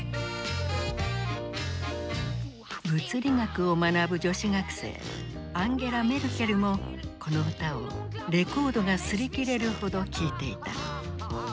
物理学を学ぶ女子学生アンゲラ・メルケルもこの歌をレコードが擦り切れるほど聴いていた。